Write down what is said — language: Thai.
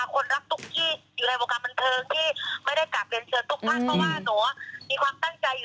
ก็เลยต้องไม่มีแลกเถิด